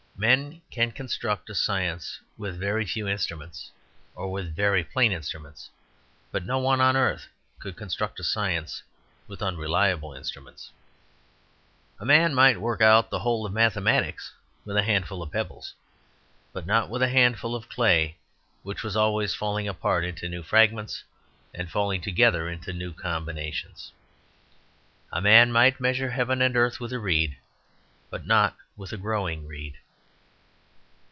Men can construct a science with very few instruments, or with very plain instruments; but no one on earth could construct a science with unreliable instruments. A man might work out the whole of mathematics with a handful of pebbles, but not with a handful of clay which was always falling apart into new fragments, and falling together into new combinations. A man might measure heaven and earth with a reed, but not with a growing reed.